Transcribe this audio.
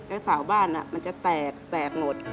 สาวบ้านมันจะแตกแตกหมด